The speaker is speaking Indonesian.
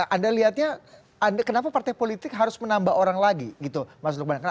anda lihatnya kenapa partai politik harus menambah orang lagi gitu mas lukman